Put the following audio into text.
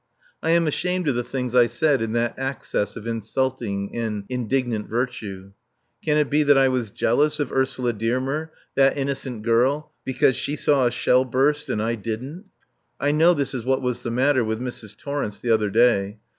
I am ashamed of the things I said in that access of insulting and indignant virtue. Can it be that I was jealous of Ursula Dearmer, that innocent girl, because she saw a shell burst and I didn't? I know this is what was the matter with Mrs. Torrence the other day.